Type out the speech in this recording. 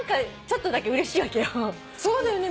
そうだよね。